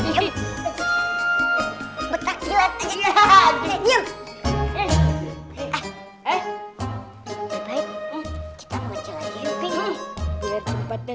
bing biar tempatnya